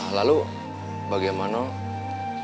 kau tak tahu bahwa dia cerdas